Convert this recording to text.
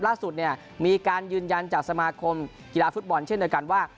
ล่าสุดเนี่ยมีการยืนยันจากสมาคมกีฬาฟุตบอลเช่นเดียวกันว่า